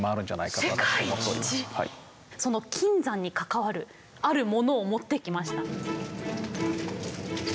その金山に関わるあるものを持ってきました。